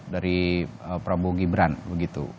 dari prabowo gibran begitu